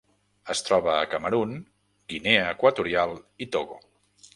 Es troba a Camerun, Guinea Equatorial i Togo.